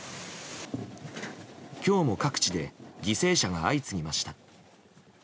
今日も各地で犠牲者が相次ぎました。